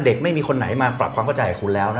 ไม่มีคนไหนมาปรับความเข้าใจกับคุณแล้วนะ